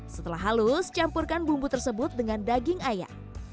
setelah halus campurkan bumbu tersebut dengan daging ayam